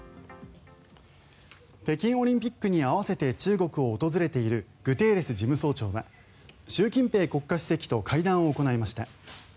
北京オリンピックに合わせて中国を訪れているグテーレス事務総長は習近平国家主席と会談を行いました。